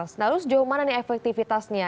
nah terus sejauh mana nih efektivitasnya